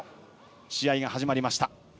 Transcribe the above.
試合が始まりました。